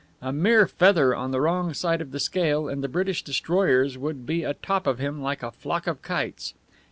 A mere feather on the wrong side of the scale, and the British destroyers would be atop of him like a flock of kites.